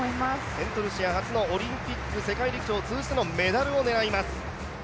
セントルシア初の世界陸上、オリンピック通じてのメダルを狙います。